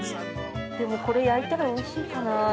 ◆これ焼いたらおいしいかなあ。